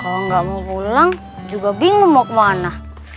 kalau nggak mau pulang juga bingung mau kemana